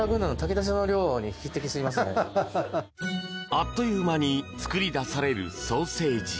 あっという間に作り出されるソーセージ。